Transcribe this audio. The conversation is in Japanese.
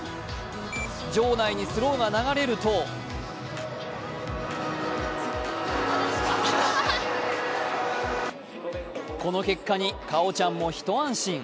場内にスローが流れるとこの結果に果緒ちゃんも一安心。